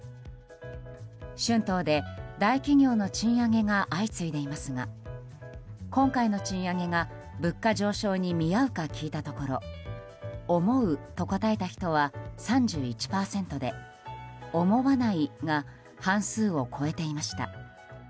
春闘で大企業の賃上げが相次いでいますが今回の賃上げが物価上昇に見合うか聞いたところ思うと答えた人は３１％で思わないが半数を超えていました。